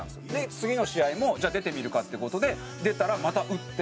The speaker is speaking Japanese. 次の試合も「じゃあ出てみるか？」って事で出たらまた打って。